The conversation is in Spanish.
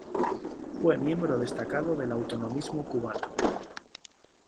Fue miembro destacado del autonomismo cubano.